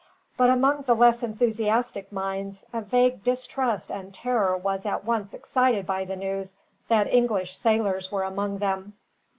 But among the less enthusiastic minds, a vague distrust and terror was at once excited by the news that English sailors were among them.